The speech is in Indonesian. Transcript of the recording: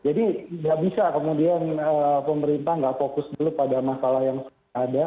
jadi tidak bisa kemudian pemerintah tidak fokus dulu pada masalah yang ada